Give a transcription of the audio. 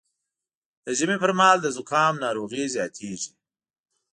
د ژمي پر مهال د زکام ناروغي زیاتېږي